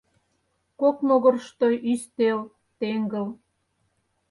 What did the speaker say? Кок могырышто ӱстел, теҥгыл.